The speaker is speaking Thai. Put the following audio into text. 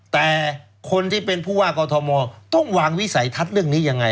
แต่คนที่เป็นผู้ว่ากอทมต้องวางวิสัยทัศน์เรื่องนี้ยังไง